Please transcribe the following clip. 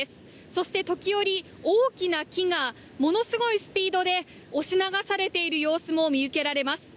そして、時折、大きな木がものすごいスピードで押し流されている様子も見受けられます。